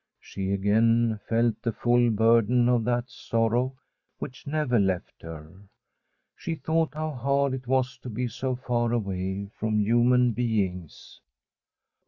She again felt the full burden of that sorrow which never left her. She thought how hard it was to be so far away from human beings.